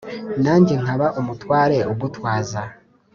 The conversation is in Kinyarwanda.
Nanjye nkaba umutware ugutwaza